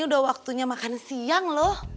udah waktunya makan siang loh